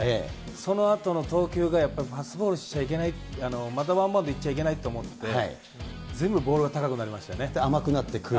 そのあとの投球がやっぱり、パスボールしちゃいけないって、またワンバウンドしちゃいけないと思って、全部ボールが高くなっ甘くなってくる。